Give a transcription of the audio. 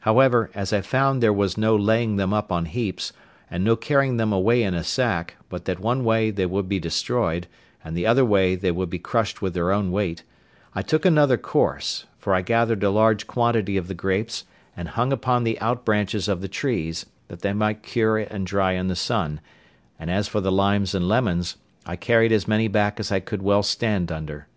However, as I found there was no laying them up on heaps, and no carrying them away in a sack, but that one way they would be destroyed, and the other way they would be crushed with their own weight, I took another course; for I gathered a large quantity of the grapes, and hung upon the out branches of the trees, that they might cure and dry in the sun; and as for the limes and lemons, I carried as many back as I could well stand under.